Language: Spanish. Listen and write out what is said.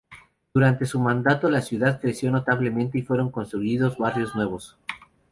Durante su mandato, la ciudad creció notablemente y fueron construidos barrios nuevos.